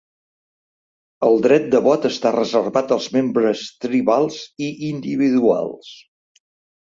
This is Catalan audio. El dret de vot està reservat als membres tribals i individuals.